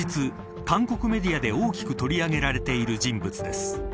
連日、韓国メディアで大きく取り上げられている人物です。